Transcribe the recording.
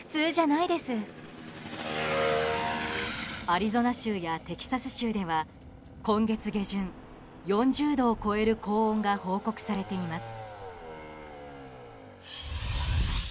アリゾナ州やテキサス州では今月下旬４０度を超える高温が報告されています。